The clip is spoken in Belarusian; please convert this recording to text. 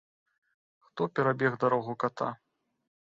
Хто перабег дарогу ката?